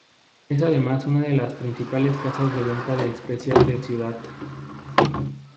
Es además una de las principales casas de venta de especias de ciudad.